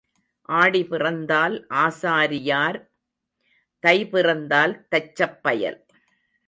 ஆடி பிறந்தால் ஆசாரியார் தை பிறந்தால் தச்சப்பயல்.